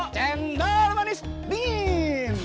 cendol manis dingin